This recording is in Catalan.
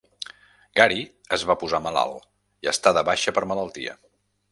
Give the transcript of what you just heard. Gary es va posar malalt i està de baixa per malaltia.